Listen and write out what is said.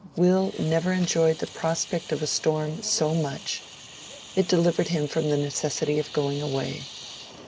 Will never enjoyed the prospect of a storm so much: it delivered him from the necessity of going away.